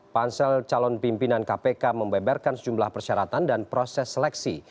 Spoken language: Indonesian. pansel calon pimpinan kpk membeberkan sejumlah persyaratan dan proses seleksi